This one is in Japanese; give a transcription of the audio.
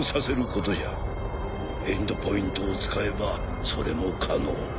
エンドポイントを使えばそれも可能。